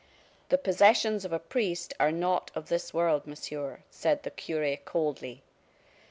"The possessions of a priest are not of this world, Monsieur," said the cure, coldly.